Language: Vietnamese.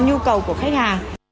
nhu cầu của khách hàng